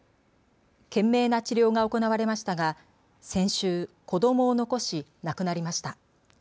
懸命な治療が行われましたが先週、子どもを残し、亡くなりました。